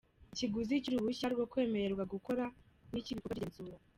Ikiguzi cy’uruhushya rwo kwemererwa gukora n’icy’ibikorwa by’igenzura